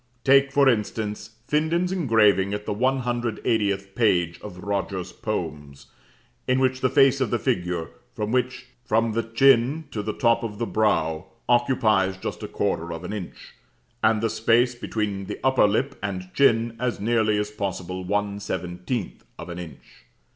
Take, for instance, Finden's engraving at the 180th page of Rogers' poems; in which the face of the figure, from the chin to the top of the brow, occupies just a quarter of an inch, and the space between the upper lip and chin as nearly as possible one seventeenth of an inch.